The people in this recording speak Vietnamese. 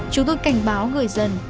chúng tôi cảnh báo người dân